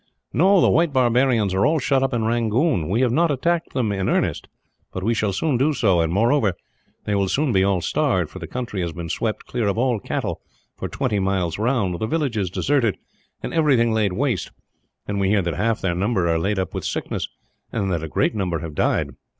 "No; the white barbarians are all shut up in Rangoon. We have not attacked them in earnest, but we shall soon do so and, moreover, they will soon be all starved, for the country has been swept clear of all cattle for twenty miles round, the villages deserted, and everything laid waste; and we hear that half their number are laid up with sickness, and that a great number have died.